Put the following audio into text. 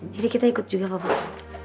jadi kita ikut juga pak bos